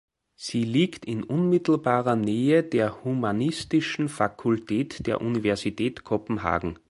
Sie liegt in unmittelbarer Nähe der Humanistischen Fakultät der Universität Kopenhagen.